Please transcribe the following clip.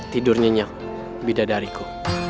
tidur nyenyak bidadariku